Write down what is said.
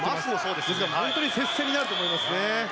ですから、本当に接戦になると思いますね。